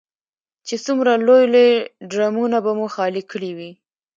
چې څومره لوی لوی ډرمونه به مو خالي کړي وي.